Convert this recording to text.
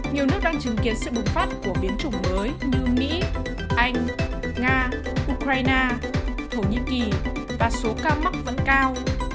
nhiều nước đang chứng kiến sự bùng phát của biến chủng mới như mỹ anh nga ukraine thổ nhĩ kỳ và số ca mắc vẫn cao